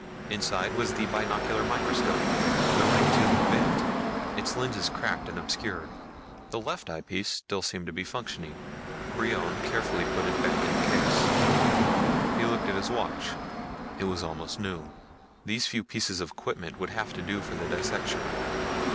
Inside was the binocular microscope, the right tube bent, its lenses cracked and obscured. The left eyepiece still seemed to be functioning. Brion carefully put it back in the case. He looked at his watch. It was almost noon. These few pieces of equipment would have to do for the dissection.